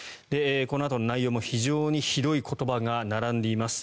このあとの内容も非常にひどい言葉が並んでいます。